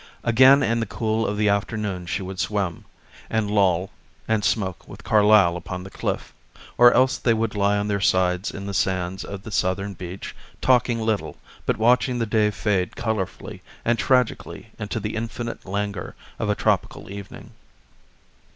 Again in the cool of the afternoon she would swim and loll and smoke with Carlyle upon the cliff; or else they would lie on their sides in the sands of the southern beach, talking little, but watching the day fade colorfully and tragically into the infinite langour of a tropical evening.